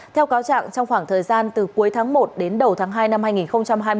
theo cáo trạng trong khoảng thời gian từ cuối tháng một đến đầu tháng hai năm hai nghìn hai mươi